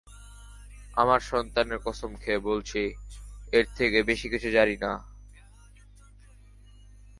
আমার সন্তানের কসম খেয়ে বলছি, এর থেকে বেশি কিছু জানি না।